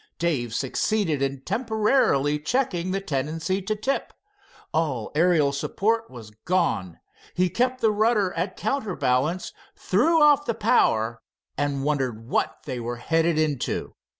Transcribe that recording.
Dave succeeded in temporarily checking the tendency to tip. All aerial support was gone. He kept the rudder at counterbalance, threw off the power, and wondered what they were headed into.